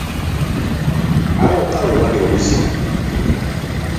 Awo wokka we wali obuzibu.